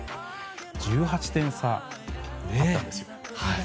１８点差だったんですよ。